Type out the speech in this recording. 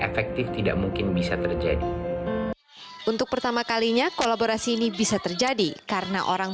efektif tidak mungkin bisa terjadi untuk pertama kalinya kolaborasi ini bisa terjadi karena orang